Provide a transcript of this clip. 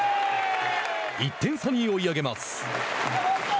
１点差に追い上げます。